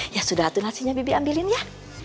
ya sudah tuh nasinya bibi ambilin ya